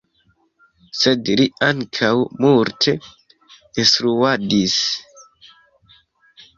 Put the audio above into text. Sed li ankaŭ multe instruadis.